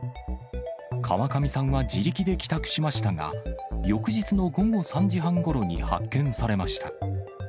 川上さんは自力で帰宅しましたが、翌日の午後３時半ごろに発見されました。